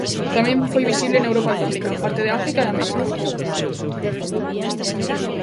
Tamén foi visible na Europa atlántica, parte de África e América.